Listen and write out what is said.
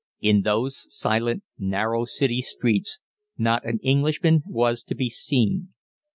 In those silent, narrow City streets not an Englishman was to be seen.